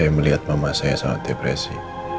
saya melihat mama saya sangat depresi